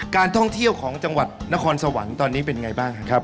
การท่องเที่ยวของจังหวัดนครสวรรค์ตอนนี้เป็นไงบ้างครับ